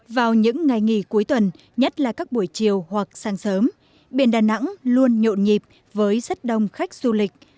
vào những ngày nghỉ cuối tuần nhất là các buổi chiều hoặc sáng sớm biển đà nẵng luôn nhộn nhịp với rất đông khách du lịch